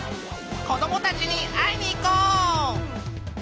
こどもたちにあいにいこう！